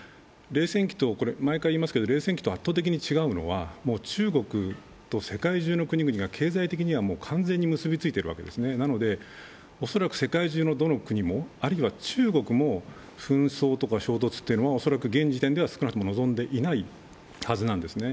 ただ、毎回言いますけれども冷戦期と圧倒的に違うのは中国と世界中の国々が経済的にはもう完全に結びついているわけでなので、恐らく世界中のどの国も、あるいは中国も紛争とか衝突というのを恐らく現時点では望んでいないはずなんですね。